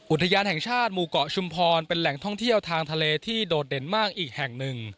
อุทยานแห่งชาติหมู่เกาะชุมพรเป็นแหล่งท่องเที่ยวทางทะเลที่โดดเด่นมากอีกแห่งหนึ่ง